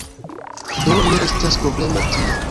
Do, ne estas problemo tie